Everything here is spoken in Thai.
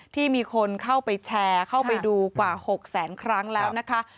ที่มีคนเข้าไปแชร์เข้าไปดูกว่า๖แสนครั้งแล้วนะคะ